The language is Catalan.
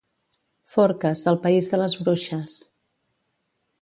Forques, el país de les bruixes.